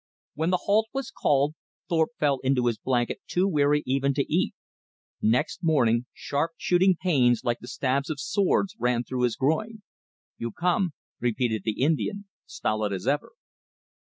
When the halt was called, Thorpe fell into his blanket too weary even to eat. Next morning sharp, shooting pains, like the stabs of swords, ran through his groin. "You come," repeated the Indian, stolid as ever.